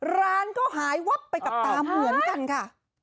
ร้านก็หายวับไปกับตาเหมือนกันค่ะ